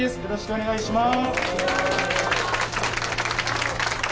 お願いします。